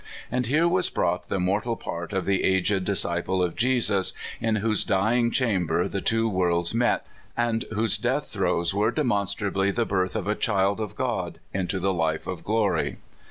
And here was brought the mortal part of the aged disci * pie of Jesus, in whose dying chamber the two worlds met, and whose death throes were demon^ strably the birth of a child of God into the life of glory.